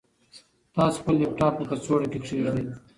تاسو خپل لپټاپ په کڅوړه کې کېږدئ.